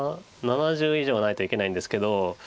７０以上ないといけないんですけど。